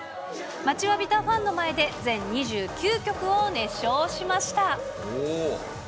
待ちわびたファンの前で、全２９曲を熱唱しました。